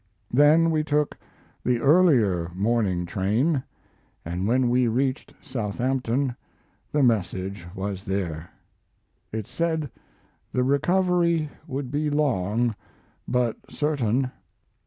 Then we took the earlier morning train, and when we reached Southampton the message was there. It said the recovery would be long but certain.